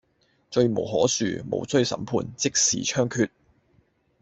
罪無可恕，無需審判，即時槍決